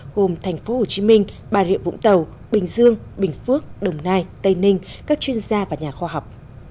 gồm thành phố hồ chí minh bà rịa vũng tàu bình dương bình phước đồng nai tây ninh các chuyên gia và nhà khoa học